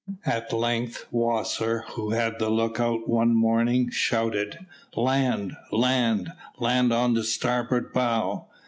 At length Wasser, who had the lookout one morning, shouted, "Land! land! land on the starboard bow!"